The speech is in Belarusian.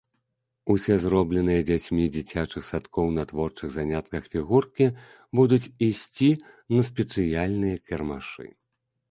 Усе зробленыя дзяцьмі дзіцячых садкоў на творчых занятках фігуркі будуць ісці на спецыяльныя кірмашы.